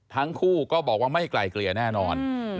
ทั้งคู่ก็บอกว่าไม่ไกลเกลี่ยแน่นอน